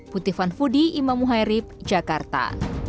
putih van fudi imam muhairib jakarta